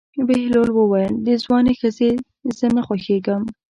بهلول وویل: د ځوانې ښځې زه نه خوښېږم.